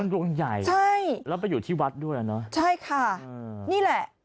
ดวงใหญ่ใช่แล้วไปอยู่ที่วัดด้วยอ่ะเนอะใช่ค่ะนี่แหละ